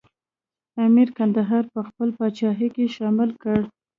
امیر کندهار په خپله پاچاهۍ کې شامل کړ.